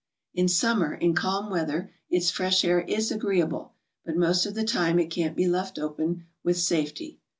In summer in calm weather its fresh air is agreeable, but most of the time it can't be left open with safety.